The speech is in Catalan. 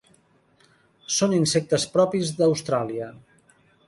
Són insectes propis d'Austràlia.